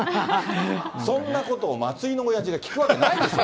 そんなことを、松井のおやじが聞くわけないでしょ。